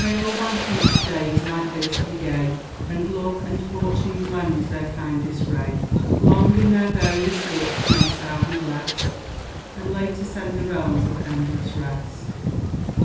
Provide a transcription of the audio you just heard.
May all thy future days, like this, be gay, And love and fortune blend their kindest ray; Long in their various gifts mayst thou be blessed, And late ascend the realms of endless rest.